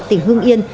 tỉnh hương yên